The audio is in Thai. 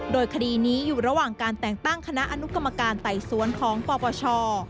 โดยคดีนี้อยู่ระหว่างการแต่งตั้งคณะอนุกรรมการไต่สวนของปปช